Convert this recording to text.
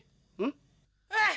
lintang putih itu